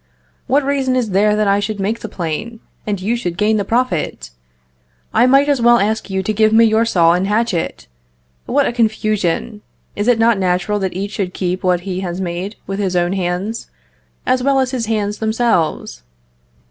What reason is there that I should make the plane, and you should gain the profit? I might as well ask you to give me your saw and hatchet! What a confusion! Is it not natural that each should keep what he has made with his own hands, as well as his hands themselves?